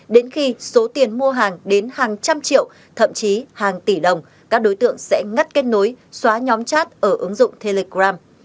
đến khi số tiền mua hàng đến hàng trăm triệu thậm chí hàng tỷ đồng các đối tượng sẽ ngắt kết nối xóa nhóm chat ở ứng dụng telegram